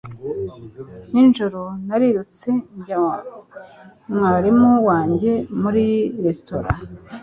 Nijoro narirutse njya mwarimu wanjye muri resitora.